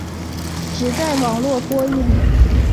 只在网络播映。